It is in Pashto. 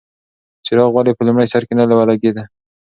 څراغ ولې په لومړي سر کې نه و لګېدلی؟